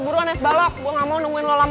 bisa balik sama leke lihat